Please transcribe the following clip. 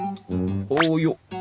およっ。